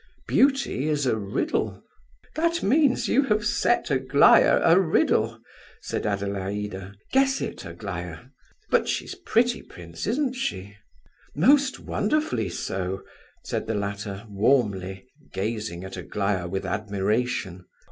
Beauty is a riddle." "That means that you have set Aglaya a riddle!" said Adelaida. "Guess it, Aglaya! But she's pretty, prince, isn't she?" "Most wonderfully so," said the latter, warmly, gazing at Aglaya with admiration.